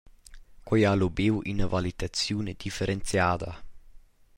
Quei ha lubiu ina valetaziun differenziada.